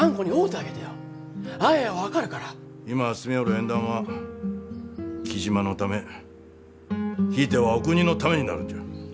今進みょおる縁談は雉真のためひいてはお国のためになるんじゃ。